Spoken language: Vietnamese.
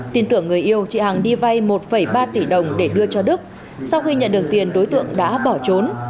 tin tưởng người yêu chị hằng đi vay một ba tỷ đồng để đưa cho đức sau khi nhận được tiền đối tượng đã bỏ trốn